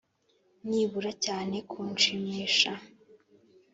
nibura cyane kunshimisha,